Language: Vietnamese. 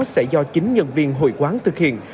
sẽ do chính nhân viên hội quán thực hiện